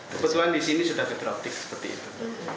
tapi di sini sudah fiber optic seperti itu